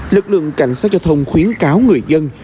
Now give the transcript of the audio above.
lực lượng cảnh sát giao thông khuyến cáo người dân